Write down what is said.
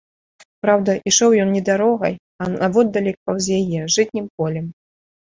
Праўда, ішоў ён не дарогай, а наводдалек паўз яе, жытнім полем.